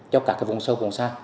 cho cả vùng sâu vùng xa